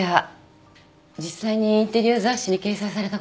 実際にインテリア雑誌に掲載されたことがあるんですよ。